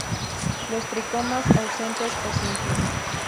Los tricomas ausentes o simples.